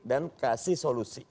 dan kasih solusi